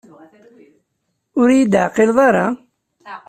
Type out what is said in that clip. Ur yi-d-teɛqileḍ ara?